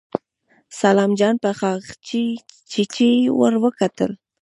سلام جان په غاښچيچي ور وکتل.